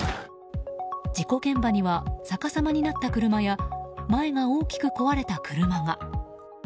事故現場には逆さまになった車や前が大きく壊れた車が。